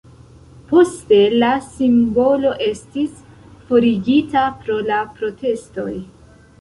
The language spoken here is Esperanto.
Poste la simbolo estis forigita pro la protestoj.